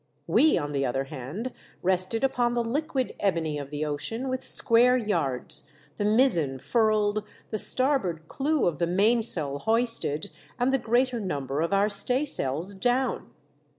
We, on the other hand, rested upon the liquid ebony of the ocean with square yards, the mizzen furled, the starboard clew of the F 46 THE DEATH SHIP. mainsail hoisted, and the greater number of our staysails down.